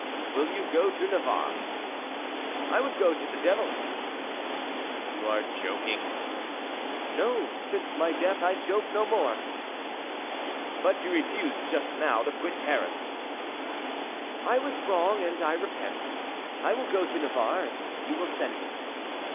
"Will you go to Navarre?" "I would go to the devil." "You are joking." "No; since my death I joke no more." "But you refused just now to quit Paris." "I was wrong, and I repent. I will go to Navarre, if you will send me."